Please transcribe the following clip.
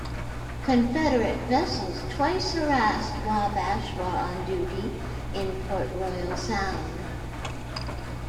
Confederate vessels twice harassed "Wabash" while on duty in Port Royal Sound.